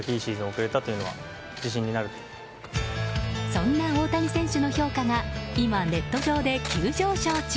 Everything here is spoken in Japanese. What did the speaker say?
そんな大谷選手の評価が今ネット上で急上昇中。